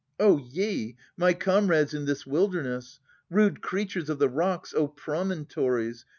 ye, my comrades in this wilderness, Rude creatures of the rocks, O promontories.